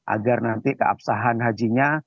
agar nanti keabsahan hajinya